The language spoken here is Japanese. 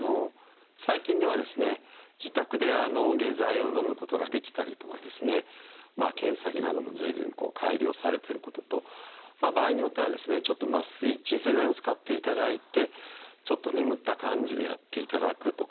最近ではですね自宅で下剤をのむことができたりとか検査着なども随分改良されてることと場合によってはですねちょっと麻酔鎮静剤を使っていただいてちょっと眠った感じでやっていただくとかですね